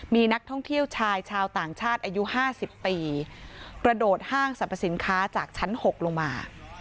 มีนักท่องเที่ยวชายชาวต่างชาติอายุ๕๐ปีกระโดดห้างสรรพสินค้าจากชั้น๖ลงมา